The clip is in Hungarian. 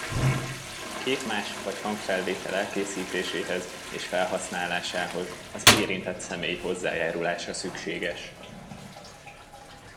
Képmás vagy hangfelvétel elkészítéséhez és felhasználásához az érintett személy hozzájárulása szükséges.